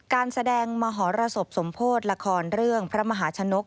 การแสดงมหรสบสมโพธิละครเรื่องพระมหาชนก